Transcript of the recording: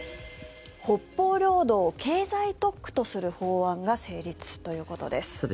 北方領土を経済特区とする法案が成立ということです。